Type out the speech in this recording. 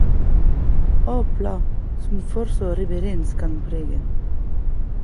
Ò, plan, son fòrça reverents quan prèguen!